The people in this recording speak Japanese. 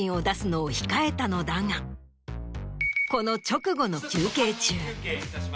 だがこの直後の休憩中。